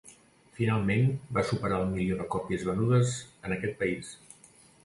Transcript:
Finalment va superar el milió de còpies venudes en aquest país.